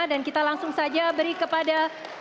kita langsung saja beri kepada